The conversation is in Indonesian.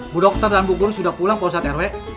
bu dokter dan bu guru sudah pulang posat rw